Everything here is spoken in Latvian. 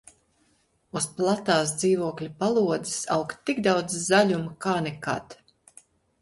Uz platās dzīvokļa palodzes aug tik daudz zaļuma kā nekad.